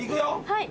はい。